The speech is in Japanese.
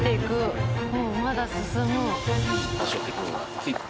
まだ進む。